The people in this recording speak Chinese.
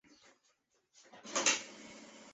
弗拉奥维奇在国家队也是常客。